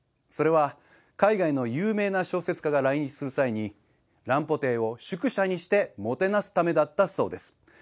それは海外の有名な小説家が来日する際に乱歩邸を宿舎にしてもてなすためだったそうです